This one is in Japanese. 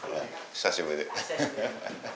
久しぶり。